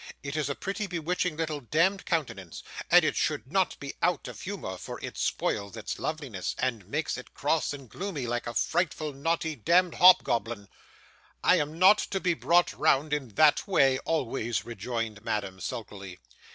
'It is a pretty, bewitching little demd countenance, and it should not be out of humour, for it spoils its loveliness, and makes it cross and gloomy like a frightful, naughty, demd hobgoblin.' 'I am not to be brought round in that way, always,' rejoined Madame, sulkily.